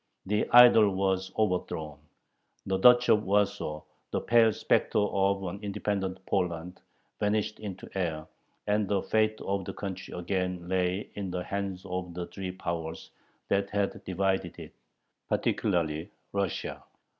The idol was overthrown. The Duchy of Warsaw, the pale specter of an independent Poland, vanished into air, and the fate of the country again lay in the hands of the three Powers that had divided it, particularly Russia.